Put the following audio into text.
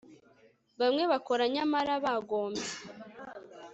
bamwe bakora nyamara bagombye